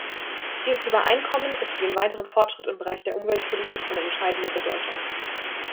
Dieses Übereinkommen ist für den weiteren Fortschritt im Bereich der Umweltpolitik von entscheidender Bedeutung.